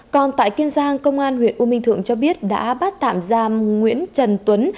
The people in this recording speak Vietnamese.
còn tại kiên giang công an huyện u minh thượng cho biết đã bắt tạm giam nguyễn trần tuấn